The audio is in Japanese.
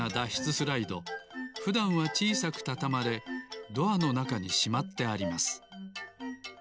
スライドふだんはちいさくたたまれドアのなかにしまってあります。